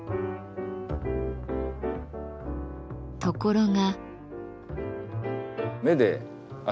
ところが。